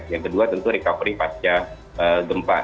yang kedua tentu recovery pasca gempa